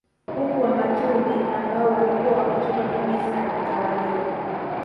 Huku Wamatumbi ambao walikuwa wamechoka kabisa kutawaliwa